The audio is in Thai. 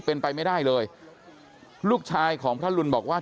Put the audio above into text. เป็นไปไม่ได้เลยลูกชายของพระรุนบอกว่า